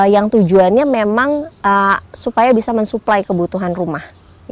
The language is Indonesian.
yang tujuannya memang supaya bisa mensuplai kebutuhan rumah